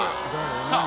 さあ